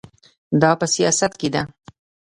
دا په سیاست کې ده.